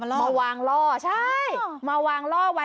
เอามาล่อมาวางล่อใช่มาวางล่อไว้